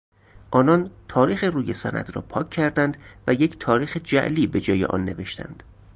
آنان تاریخ روی سند راپاک کردند و یک تاریخ جعلی به جای آن نوشتند.